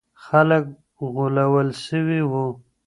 خلګ غولول سوي وو.